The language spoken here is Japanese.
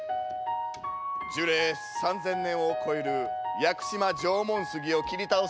樹齢３，０００年を超える屋久島縄文杉を切り倒そうとする男が。